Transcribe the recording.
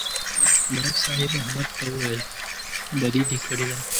ملک صاحب احمد ته وویل: بدي دې کړې ده